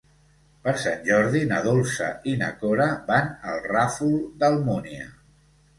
Per Sant Jordi na Dolça i na Cora van al Ràfol d'Almúnia.